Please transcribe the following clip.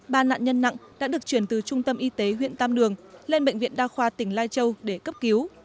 ba nạn nhân nặng đã được chuyển từ trung tâm y tế huyện tam đường lên bệnh viện đa khoa tỉnh lai châu để cấp cứu